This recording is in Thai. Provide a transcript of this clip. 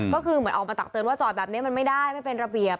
ก็คือเหมือนออกมาตักเตือนว่าจอดแบบนี้มันไม่ได้ไม่เป็นระเบียบ